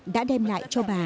đã đem lại cho bà